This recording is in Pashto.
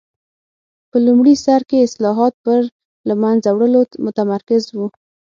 په لومړي سر کې اصلاحات پر له منځه وړلو متمرکز و.